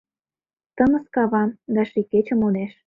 Тыныс кава, да ший кече модеш.